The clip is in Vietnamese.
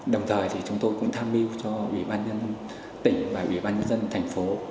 đồng thời chúng tôi cũng tham mưu cho bỉ ban nhân tỉnh và bỉ ban nhân dân thành phố